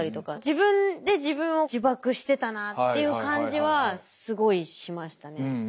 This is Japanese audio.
自分で自分を呪縛してたなっていう感じはすごいしましたね。